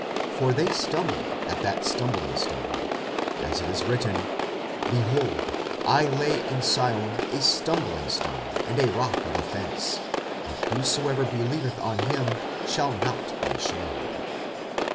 For they stumbled at that stumblingstone; 45:009:033 As it is written, Behold, I lay in Sion a stumblingstone and rock of offence: and whosoever believeth on him shall not be ashamed.